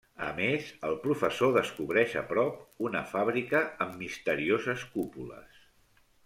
A més, el professor descobreix a prop una fàbrica amb misterioses cúpules.